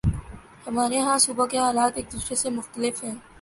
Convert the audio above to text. ہمارے ہاں صوبوں کے حالات ایک دوسرے سے مختلف ہیں۔